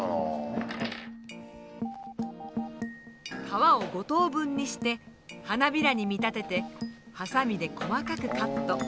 皮を５等分にして花びらに見立ててハサミで細かくカット。